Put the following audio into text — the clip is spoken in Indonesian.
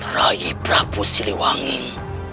rai lebih baik